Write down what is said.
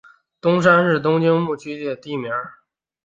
东山是东京都目黑区的地名。